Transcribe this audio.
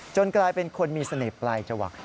จนกลายเป็นคนมีเสน่ห์ปลายเจาะ